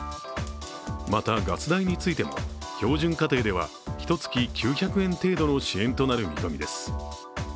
またガス代についても、標準家庭では１月９００円程度の支援となる見込みです。